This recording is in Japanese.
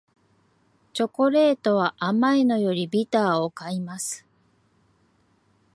チョコレートは甘いのよりビターを買います